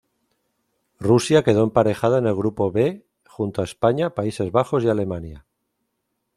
Rusia quedó emparejada en el grupo B, junto a España, Países Bajos y Alemania.